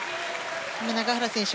永原選手